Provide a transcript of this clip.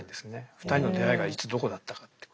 ２人の出会いがいつどこだったかっていうことを。